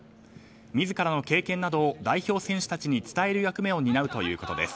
自らの経験などを代表選手たちに伝える役目を担うということです。